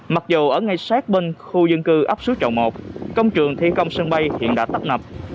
mặc dù ở ngay sát bên khu dân cư ấp suối trọng một công trường thi công sân bay hiện đã tấp nập